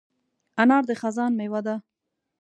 انار د خزان مېوه ده.